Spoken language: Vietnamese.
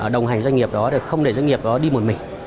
đồng hành doanh nghiệp đó để không để doanh nghiệp đó đi một mình